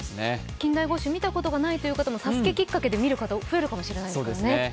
近代五種見たこともないという人も「ＳＡＳＵＫＥ」きっかけで見る方、増えるかもしれませんからね。